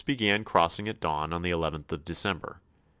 began crossing at dawn on the 11th of December.